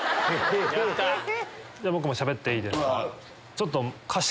僕もしゃべっていいですか。